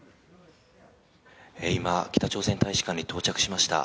今、北朝鮮大使館に到着しました。